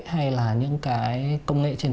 hay là những cái công nghệ trên thế giới